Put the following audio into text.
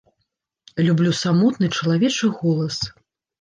Люблю самотны чалавечы голас.